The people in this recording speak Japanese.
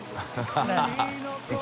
ハハハ